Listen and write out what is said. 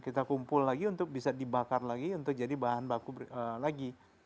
kita kumpul lagi untuk bisa dibakar lagi untuk jadi bahan baku lagi